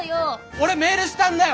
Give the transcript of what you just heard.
俺メールしたんだよ！